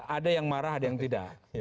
ada yang marah ada yang tidak